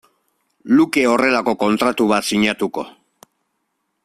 luke horrelako kontratu bat sinatuko.